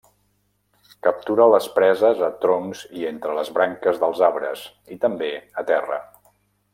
Captura les preses a troncs i entre les branques dels arbres, i també a terra.